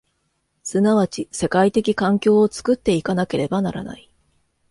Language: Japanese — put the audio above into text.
即ち世界的環境を作って行かなければならない。